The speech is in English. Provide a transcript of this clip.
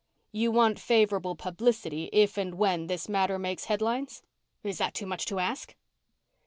"You want favorable publicity if and when this matter makes headlines?" "Is that too much to ask?"